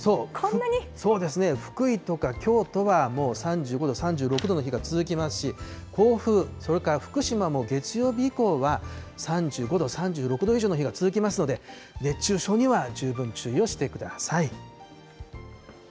福井とか京都は、もう３５度、３６度の日が続きますし、甲府、それから福島も月曜日以降は、３５度、３６度以上の日が続きますので、熱中症には十分注意をしてください。